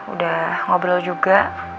udah ngobrol juga